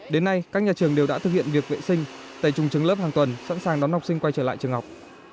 đến nay các nhà trường đều đã thực hiện việc vệ sinh tẩy trùng trứng lớp hàng tuần sẵn sàng đón học sinh quay trở lại trường học